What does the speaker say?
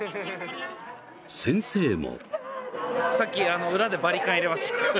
先生も。